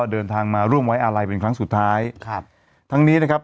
เดินทางมาร่วมไว้อาลัยเป็นครั้งสุดท้ายครับทั้งนี้นะครับ